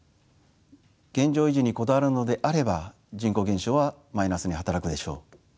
現状維持にこだわるのであれば人口減少はマイナスに働くでしょう。